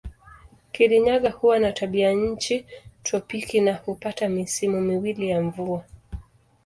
Kirinyaga huwa na tabianchi tropiki na hupata misimu miwili ya mvua.